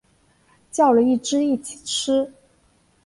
叫了一只一起吃